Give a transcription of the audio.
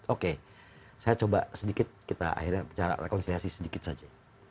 oke saya coba sedikit kita akhirnya bicara rekonsiliasi sedikit saja